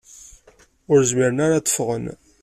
Ur zmiren ara ad d-ffɣen.